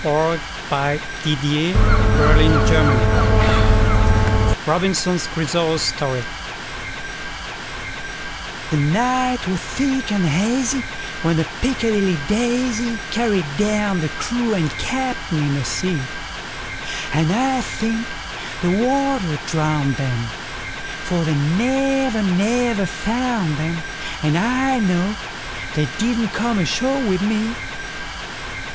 1919. Charles E. Carryl1841–1920 Robinson Crusoe's Story THE NIGHT was thick and hazyWhen the "Piccadilly Daisy"Carried down the crew and captain in the sea; And I think the water drowned 'em; For they never, never found 'em, And I know they didn't come ashore with me.